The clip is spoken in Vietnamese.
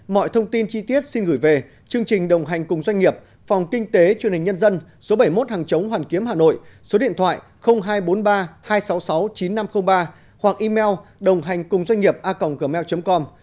mọi thông tin chi tiết xin gửi về chương trình đồng hành cùng doanh nghiệp phòng kinh tế truyền hình nhân dân số bảy mươi một hàng chống hoàn kiếm hà nội số điện thoại hai trăm bốn mươi ba hai trăm sáu mươi sáu chín nghìn năm trăm linh ba hoặc email đồnghànhcunghiệp a gmail com